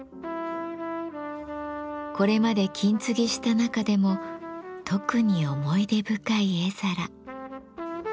これまで金継ぎした中でも特に思い出深い絵皿。